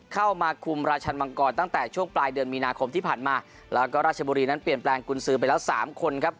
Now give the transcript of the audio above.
เข้ามาคุมราชันมังกรตั้งแต่ช่วงปลายเดือนมีนาคมที่ผ่านมาแล้วก็ราชบุรีนั้นเปลี่ยนแปลงกุญสือไปแล้วสามคนครับ